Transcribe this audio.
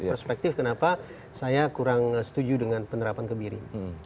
perspektif kenapa saya kurang setuju dengan penerapan kebiri